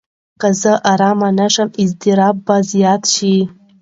که زه ارامه نه شم، اضطراب به زیات شي.